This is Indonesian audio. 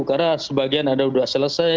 karena sebagian ada sudah selesai